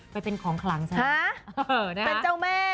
ไปเป็นของขลังซะนะเป็นเจ้าแม่